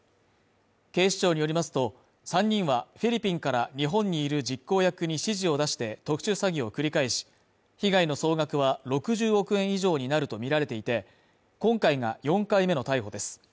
警視庁によりますと、３人は、フィリピンから日本にいる実行役に指示を出して特殊詐欺を繰り返し、被害の総額は６０億円以上になるとみられていて、今回が４回目の逮捕です。